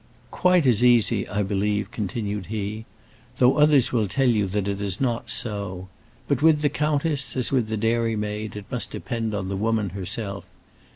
"Quite as easy, I believe," continued he; "though others will tell you that it is not so. But with the countess as with the dairymaid, it must depend on the woman herself.